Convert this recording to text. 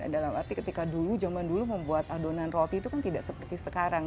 dalam arti ketika dulu zaman dulu membuat adonan roti itu kan tidak seperti sekarang